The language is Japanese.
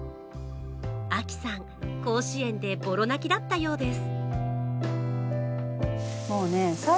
亜希さん、甲子園でボロ泣きだったようです。